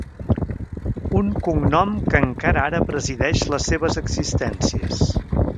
Un cognom que encara ara presideix les seves existències.